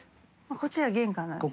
こっちは玄関なんですね。